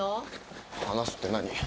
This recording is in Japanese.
話すって何を？